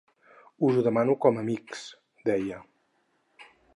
Us ho demano com a amics, deia.